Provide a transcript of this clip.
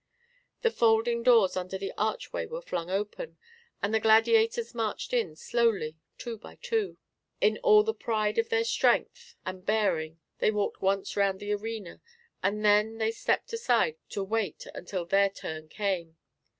The folding doors under the archway were flung open, and the gladiators marched in slowly, two by two. In all the pride of their strength and bearing they walked once round the arena, and then they stepped aside to wait until their turn came.